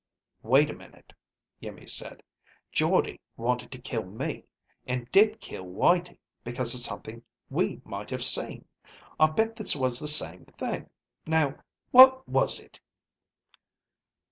"Wait a minute," Iimmi said. "Jordde wanted to kill me, and did kill Whitey because of something we might have seen. I bet this was the same thing. Now, what was it?"